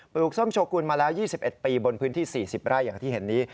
ลูกส้มโชกุลมาแล้ว๒๑ปีบนพื้นที่๔๐ไร่อย่างที่เห็นนี้